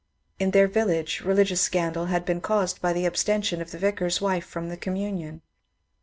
In their village religious scandal had been caused by the abstention of the vicar's wife from the communion.